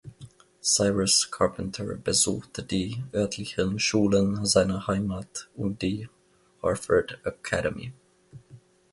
Cyrus Carpenter besuchte die örtlichen Schulen seiner Heimat und die "Harford Academy".